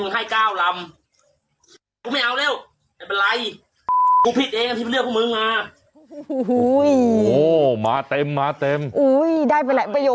โหโหเหม่าเต็มเหม่าเต็มโอ้ยได้ไปหลายประโยค